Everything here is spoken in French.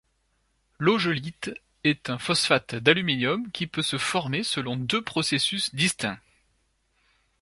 L'augelite est un phosphate d'aluminium qui peut se former selon deux processus distincts.